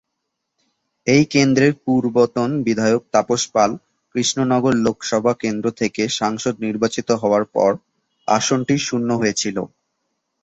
এই কেন্দ্রের পূর্বতন বিধায়ক তাপস পাল কৃষ্ণনগর লোকসভা কেন্দ্র থেকে সাংসদ নির্বাচিত হওয়ার পর আসনটি শূন্য হয়েছিল।